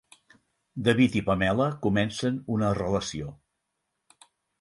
David i Pamela comencen una relació.